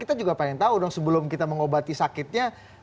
itu karena aku cadangan